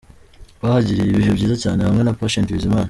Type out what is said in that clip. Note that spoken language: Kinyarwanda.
Bahagiriye ibihe byiza cyane hamwe na Patient Bizimana.